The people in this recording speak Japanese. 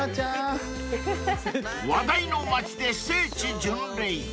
［話題の街で聖地巡礼］